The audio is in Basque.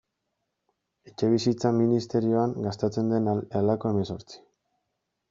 Etxebizitza ministerioan gastatzen den halako hemezortzi.